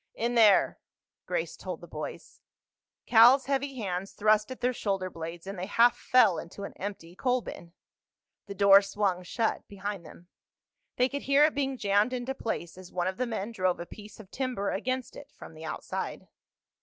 "In there," Grace told the boys. Cal's heavy hands thrust at their shoulder blades and they half fell into an empty coalbin. The door swung shut behind them. They could hear it being jammed into place as one of the men drove a piece of timber against it from the outside.